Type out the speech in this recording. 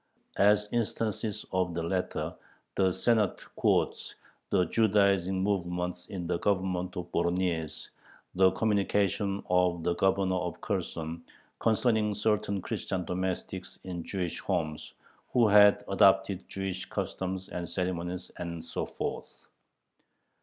As instances of the latter the Senate quotes the Judaizing movement in the Government of Voronyezh, the communication of the Governor of Kherson concerning certain Christian domestics in Jewish homes, who had adopted Jewish customs and ceremonies, and so forth.